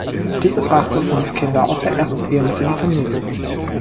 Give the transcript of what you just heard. Diese brachte fünf Kinder aus der ersten Ehe mit in die Familie.